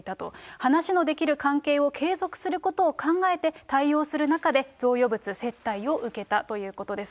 話のできる関係を継続することを考えて、対応する中で贈与物、接待を受けたということです。